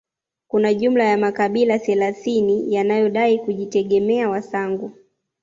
Kuna jumla ya makabila thelathini yanayodai kujitegemea Wasangu